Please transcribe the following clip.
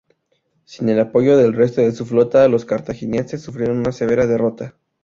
Sin el apoyo del resto de su flota, los cartagineses sufrieron una severa derrota.